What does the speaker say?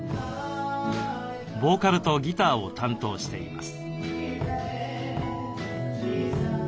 ボーカルとギターを担当しています。